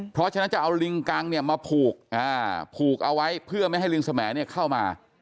เพราะฉะนั้นจะเอาลิงกังเนี่ยมาผูกผูกเอาไว้เพื่อไม่ให้ลิงสมเข้ามา